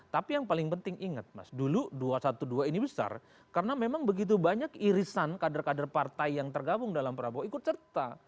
tapi yang paling penting ingat mas dulu dua ratus dua belas ini besar karena memang begitu banyak irisan kader kader partai yang tergabung dalam prabowo ikut serta